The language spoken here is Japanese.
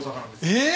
えっ！？